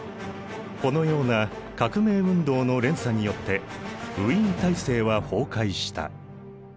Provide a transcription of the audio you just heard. このような革命運動の連鎖によってウィーン体制は崩壊した。